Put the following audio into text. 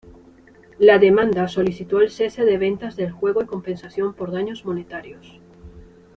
La demanda solicitó el cese de ventas del juego y compensación por daños monetarios.